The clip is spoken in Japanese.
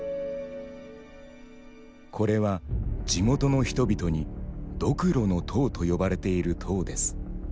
これは地元の人々に「どくろの塔」と呼ばれている塔です。